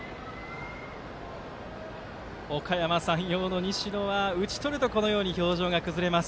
おかやま山陽の西野は打ち取るとこのように表情が崩れます。